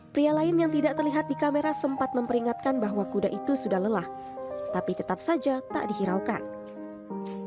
pria lain yang tidak terlihat di kamera sempat memperingatkan bahwa kuda chester ini tidak sempat menarik dan mencambuk kuda yang kelelahan berkali kali agar bangun dan berdiri kembali